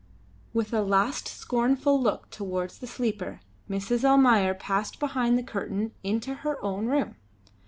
With a last scornful look towards the sleeper, Mrs. Almayer passed behind the curtain into her own room.